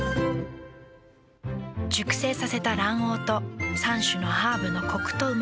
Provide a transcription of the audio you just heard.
熟成させた卵黄と３種のハーブのコクとうま味。